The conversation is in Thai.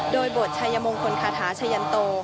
โดยบทชัยมงคลคาถาชะยันโต